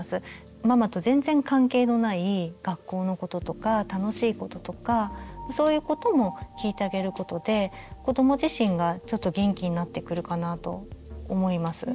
ママと全然関係のない学校のこととか楽しいこととかそういうことも聞いてあげることで子ども自身がちょっと元気になってくるかなと思います。